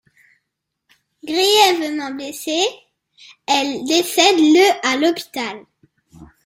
Grièvement blessée, elle décède le à l'hôpital.